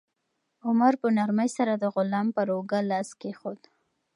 عمر په نرمۍ سره د غلام پر اوږه لاس کېښود.